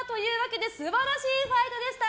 素晴らしいファイトでした！